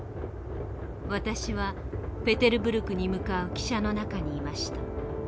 私はペテルブルクに向かう汽車の中にいました。